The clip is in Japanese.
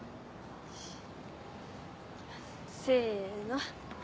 せの。